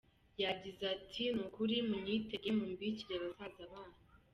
Yagize ati “Ni kuri munyitege mumbikire basaza banyu.